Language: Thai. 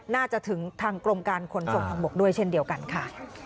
น่าจะถึงทางกรมการขนส่งทางบกด้วยเช่นเดียวกันค่ะ